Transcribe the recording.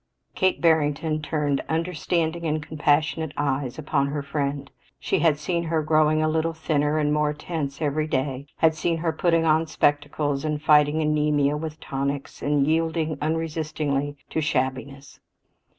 Kate Barrington turned understanding and compassionate eyes upon her friend. She had seen her growing a little thinner and more tense everyday; had seen her putting on spectacles, and fighting anaemia with tonics, and yielding unresistingly to shabbiness.